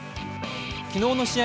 昨日の試合